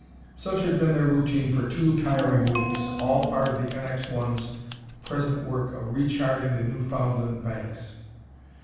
Such had been their routine for two tiring weeks, all part of the NX l's present work of re charting the Newfoundland banks.